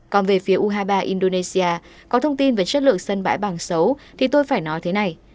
còn về phía u hai mươi ba indonesia có thông tin về chất lượng sân bãi bảng xấu thì tôi phải nói thế này